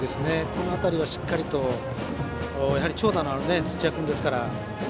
この辺りはしっかりと長打のある土屋君なので。